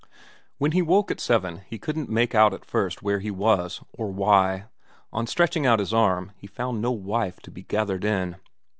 When he woke at seven he couldn't make out at first where he was, nor why, on stretching out his arm, he found no wife to be gathered in.